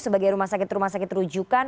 sebagai rumah sakit rumah sakit rujukan